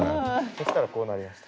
そしたらこうなりました。